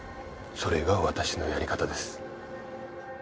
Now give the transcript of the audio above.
それが私のやり方です。